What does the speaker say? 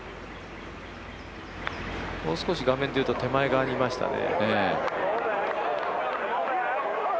もう少し、画面でいうと手前側にいましたね。